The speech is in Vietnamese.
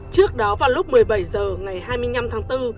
trước đó vào lúc một mươi bảy h ngày hai mươi năm tháng bốn